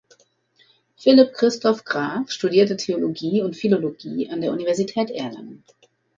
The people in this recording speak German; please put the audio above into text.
Philipp Christoph Graf studierte Theologie und Philologie an der Universität Erlangen.